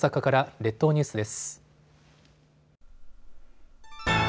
列島ニュースです。